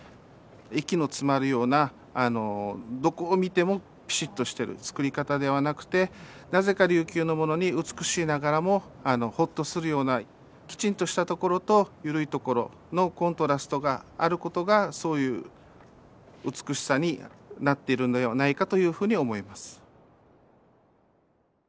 息の詰まるようなどこを見てもピシッとしてるつくり方ではなくてなぜか琉球のものに美しいながらもほっとするようなきちんとしたところと緩いところのコントラストがあることがそういう美しさになってるのではないかというふうに思います。